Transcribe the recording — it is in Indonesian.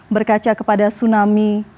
berkaca kepada tsunami